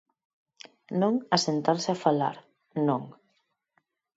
Non a sentarse a falar, non.